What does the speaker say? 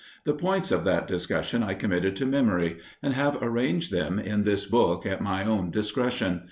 The points of that discussion I committed to memory, and have arranged them in this book at my own discretion.